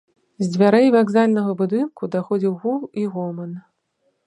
З дзвярэй вакзальнага будынку даходзіў гул і гоман.